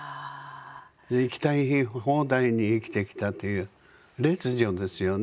生きたい放題に生きてきたという烈女ですよね。